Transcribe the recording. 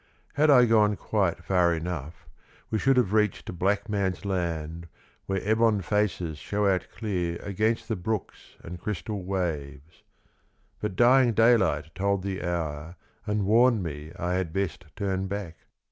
Had I gone quite far enough, We should have reached to Black man's land, Where ebon faces show out clear Against the brooks and crystal waves. But dying daylight told the hour And warned me I had best turn back.